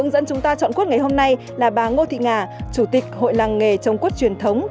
nếu chúng ta biết cách chọn